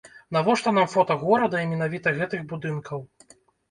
Навошта нам фота горада і менавіта гэтых будынкаў?